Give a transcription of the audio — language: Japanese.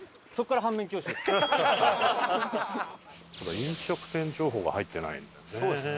飲食店情報が入ってないんだよね。